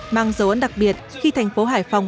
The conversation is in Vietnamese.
mang dấu ấn đặc biệt khi thành phố hải phòng